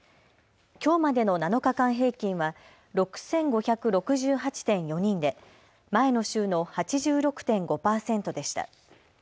きょうまでの７日間平均は６５６８．４人で前の週の８６．５％でした。